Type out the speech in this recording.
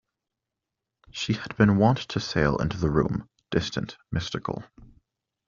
She had been wont to sail into the room, distant, mystical.